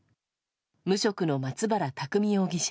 無職の松原拓海容疑者。